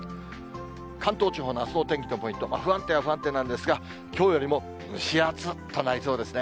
関東地方のあすの天気のポイント、不安定は不安定なんですが、きょうよりも蒸し暑っとなりそうですね。